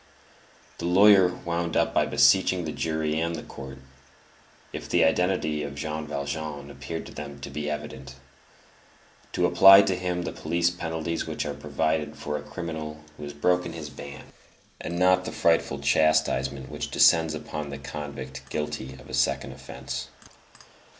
The lawyer wound up by beseeching the jury and the court, if the identity of Jean Valjean appeared to them to be evident, to apply to him the police penalties which are provided for a criminal who has broken his ban, and not the frightful chastisement which descends upon the convict guilty of a second offence.